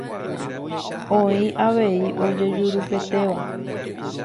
Oĩ avei ojejurupetéva.